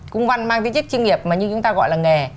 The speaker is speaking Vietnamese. cung văn mang tính chức chuyên nghiệp mà như chúng ta gọi là nghề